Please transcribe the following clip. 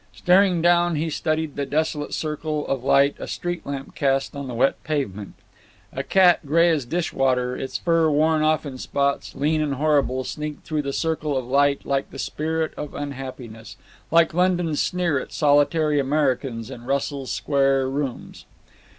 Staring down, he studied the desolate circle of light a street lamp cast on the wet pavement. A cat gray as dish water, its fur worn off in spots, lean and horrible, sneaked through the circle of light like the spirit of unhappiness, like London's sneer at solitary Americans in Russell Square rooms.